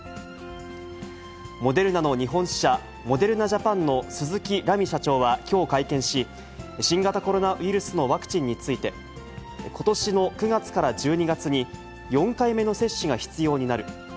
モデルナの日本支社、モデルナ・ジャパンの鈴木蘭美社長はきょう会見し、新型コロナウイルスのワクチンについて、ことしの９月から１２月に、４回目の接種が必要になる。